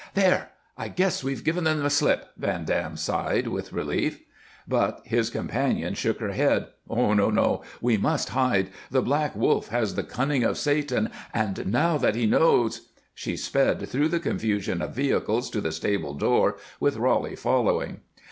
"There! I guess we've given them the slip," Van Dam sighed, with relief. But his companion shook her head. "No, no! We must hide. The Black Wolf has the cunning of Satan, and now that he knows " She sped through the confusion of vehicles to the stable door, with Roly following.